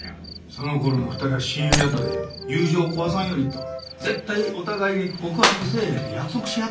その頃の２人は親友やったで友情を壊さんようにと絶対お互い告白せえへんって約束しはったんやって。